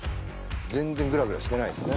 全然グラグラしてないですね